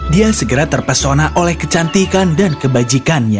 dia segera terpesona oleh kecantikan dan kebajikannya